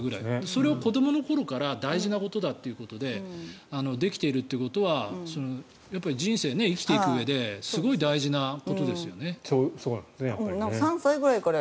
それを子どもの頃から大事なことだということでできているということはやっぱり人生、生きていくうえですごく大事なことですよね。